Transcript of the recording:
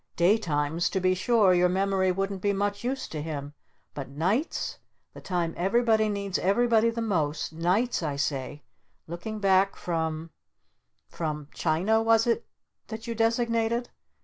Daytimes to be sure your memory wouldn't be much use to him. But nights the time everybody needs everybody the most, Nights I say, looking back from from China, was it that you designated?